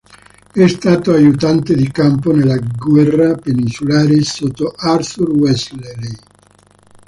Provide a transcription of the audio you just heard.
È stato aiutante di campo, nella guerra peninsulare, sotto Arthur Wellesley.